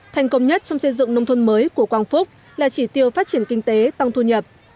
thành công nhất trong xây dựng nông thôn mới của quang phúc là chỉ tiêu phát triển kinh tế tăng thu nhập